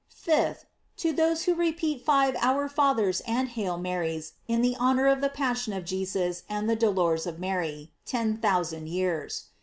5th. To those who repeat five "Our Fathers" and "Hail Marys" in honor of the passion of Je BUS and the dolors of Mary, ten thousand years.